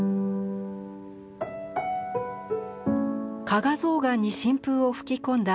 加賀象嵌に新風を吹き込んだ